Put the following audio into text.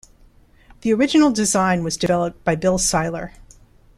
The original design was developed by Bill Seiler.